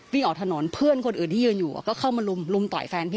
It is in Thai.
วิ่งออกถนนเพื่อนคนอื่นที่ยืนอยู่ก็เข้ามาลุมต่อยแฟนพี่